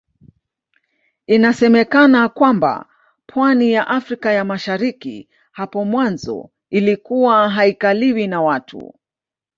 Inasemekana kwamba pwani ya Afrika ya Mashariki hapo mwanzo ilikuwa haikaliwi na watu